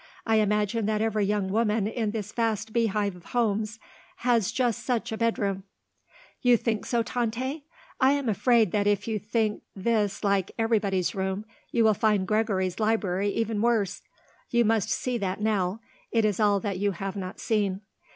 I imagine that every young woman in this vast beehive of homes has just such a bedroom." "You think so, Tante? I am afraid that if you think this like everybody's room you will find Gregory's library even worse. You must see that now; it is all that you have not seen."